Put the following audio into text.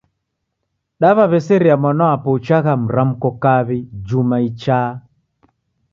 Daw'iaw'eseria mwanapo uchagha mramko kawi juma ichaa.